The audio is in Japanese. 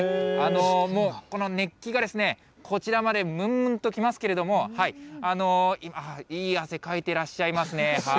もうこの熱気が、こちらまでむんむんと来ますけれども、いい汗かいてらっしゃいますね。